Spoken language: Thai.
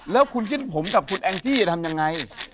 แล้วคุณเส้นผมกับคุณแองจี้จะทำยังไง